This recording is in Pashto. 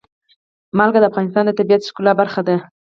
نمک د افغانستان د طبیعت د ښکلا برخه ده.